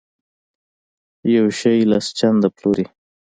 یو شی لس چنده پلوري.